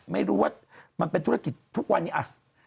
ไม่รู้ว่ามันเป็นธุรกิจทุกวันนี้อ่ะ